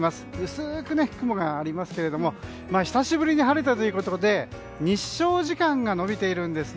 薄く雲がありますけれども久しぶりに晴れたということで日照時間が延びているんです。